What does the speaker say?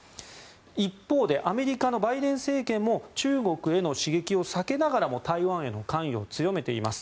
一方でアメリカのバイデン政権も中国への刺激を避けながらも台湾への関与を強めています。